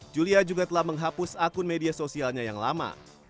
julia juga telah menghapus akun media sosialnya yang lama